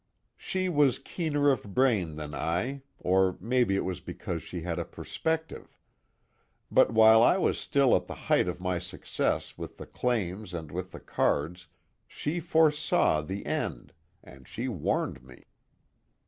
She was keener of brain than I or maybe it was because she had a perspective. But while I was still at the height of my success with the claims and with the cards, she foresaw the end, and she warned me.